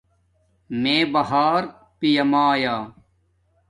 میے بہار پیامایا